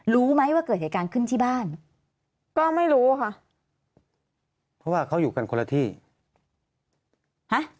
รู้ไหมว่าเกิดเหตุการณ์ขึ้นที่บ้านก็ไม่รู้ค่ะเพราะว่าเขาอยู่กันคนละที่ฮะ